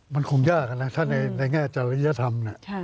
มันคงยากนะในแง่จริยธรรมน่ะ